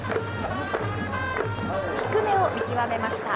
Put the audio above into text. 低めを見極めました。